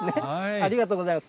ありがとうございます。